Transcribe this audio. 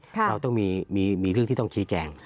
เราต้องมีเรื่องที่ต้องชี้แจง